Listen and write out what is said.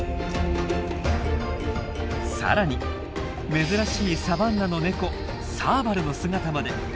更に珍しいサバンナのネコサーバルの姿まで。